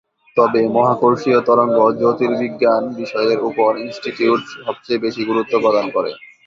তবে "মহাকর্ষীয় তরঙ্গ জ্যোতির্বিজ্ঞান" বিষয়ের উপর ইনস্টিটিউট সবচেয়ে বেশি গুরুত্ব প্রদান করে।